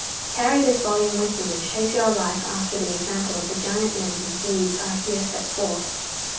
Carry this volume with you, and shape your life after the example of the giant men whose deeds are here set forth.